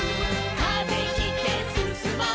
「風切ってすすもう」